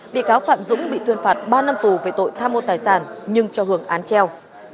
bị cáo phạm dũng bị tuyên phạt ba năm tù về tội tham mô tài sản nhưng cho hưởng án treo